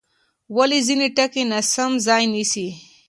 ولې ځینې ټکي ناسم ځای نیسي؟